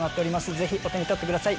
ぜひお手に取ってください